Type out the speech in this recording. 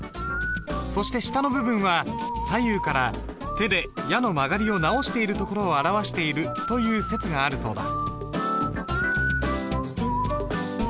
そして下の部分は左右から手で矢の曲がりを直しているところを表しているという説があるそうだ。